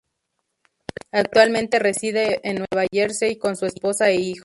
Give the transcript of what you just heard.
Actualmente reside en Nueva Jersey con su esposa e hijos.